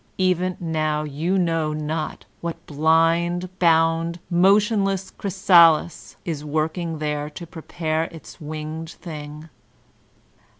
Even now you know not what blind, bound, motionless chrysalis is working there to prepare its winged thing.